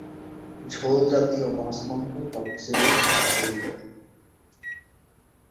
ঝোল জাতীয় মাছ-মাংস সব কিছুতেই স্বাদ তৈরি করে।